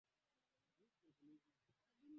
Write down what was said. m msikilizaji unaendelea kuskiliza